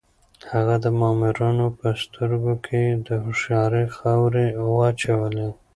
هغه د مامورانو په سترګو کې د هوښيارۍ خاورې واچولې.